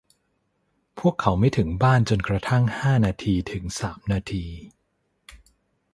พวกเขาไม่ถึงบ้านจนกระทั่งห้านาทีถึงสามนาที